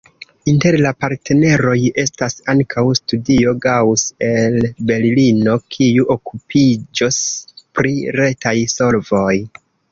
Inter la partneroj estas ankaŭ Studio Gaus el Berlino, kiu okupiĝos pri retaj solvoj.